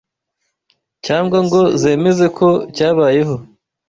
cyangwa ngo zemeze ko cyabayeho